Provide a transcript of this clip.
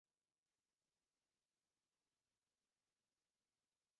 Agriculture remained the primary activity of the territory.